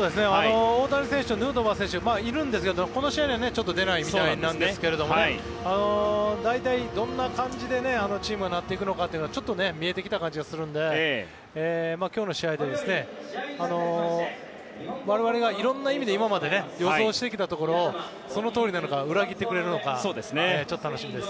大谷選手とヌートバー選手はいるんですけどこの試合には出ないみたいですが大体どんな感じでチームがなっていくか見えてきた感じがするので今日の試合で我々がいろんな意味で今まで予想してきたところそのとおりなのか裏切ってくれるのかちょっと楽しみです。